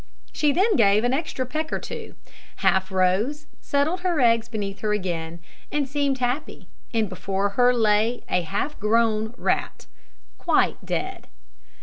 She then gave an extra peck or two, half rose, settled her eggs beneath her again, and seemed happy; and before her lay a half grown rat, quite dead.